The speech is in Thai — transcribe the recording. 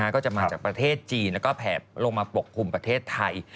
ก็จะมาจากประเทศจีนแล้วก็แผ่ลงมาปกคลุมประเทศไทย